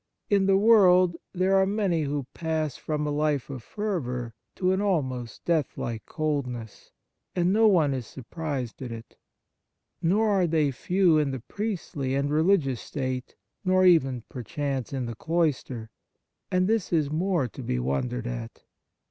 In the world there are many who pass from a life of fervour to an almost death like coldness, and no one is surprised at it. Nor are they few in the priestly and religious state, nor even, per chance, in the cloister; and this is more to be wondered at.